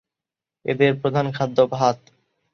এদের প্রধান খাদ্য ভাত।